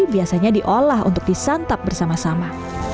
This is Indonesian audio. biasanya diolah untuk disantap bersama sama